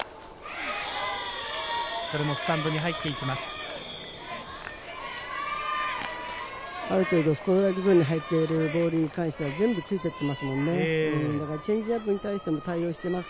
これもスタンドに入ってきます。